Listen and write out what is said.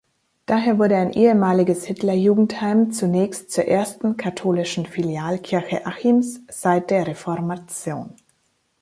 Daher wurde ein ehemaliges Hitlerjugend-Heim zunächst zur ersten katholischen Filialkirche Achims seit der Reformation.